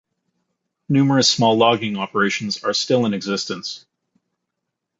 Numerous small logging operations are still in existence.